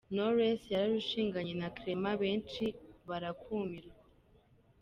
Knowless yarushinganye na Clement benshi barakumirwa.